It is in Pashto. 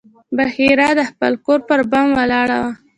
بحیرا د خپل کور پر بام ولاړ و.